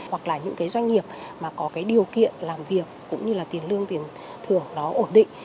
hoặc là những doanh nghiệp có điều kiện làm việc cũng như tiền lương tiền thưởng ổn định